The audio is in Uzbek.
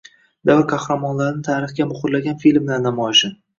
Davr qahramonlarini tarixga muhrlagan filmlar namoyishi